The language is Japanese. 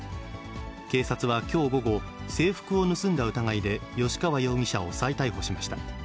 警察はきょう午後、制服を盗んだ疑いで、吉川容疑者を再逮捕しました。